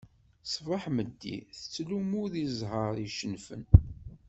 Ṣṣbeḥ meddi tettlummu deg zzher-is icennfen.